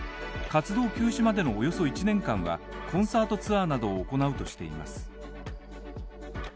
活動休止までのおよそ１年間はコンサートツアーなどを行うとしています